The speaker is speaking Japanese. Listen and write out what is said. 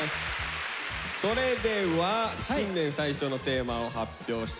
それでは新年最初のテーマを発表してもらいましょう。